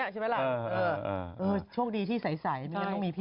เควกดีที่ใส